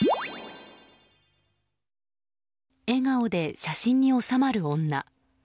笑顔で写真に納まる女。